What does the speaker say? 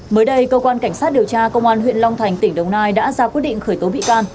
mới đây cơ quan cảnh sát điều tra công an huyện long thành tỉnh đồng nai đã ra quyết định khởi tố bị can